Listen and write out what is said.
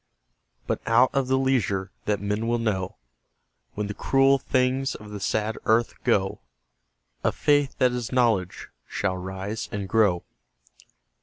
But out of the leisure that men will know, When the cruel things of the sad earth go, A Faith that is Knowledge shall rise and grow.